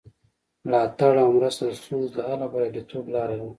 ملاتړ او مرسته د ستونزو د حل او بریالیتوب لاره ده.